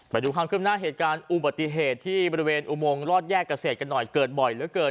ไปดูความขึ้นหน้าเหตุการณ์อุบัติเหตุที่บริเวณอุโมงรอดแยกเกษตรกันหน่อยเกิดบ่อยเหลือเกิน